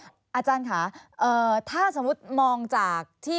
อเรนนี่อาจารย์ค่ะถ้าสมมติมองจากที่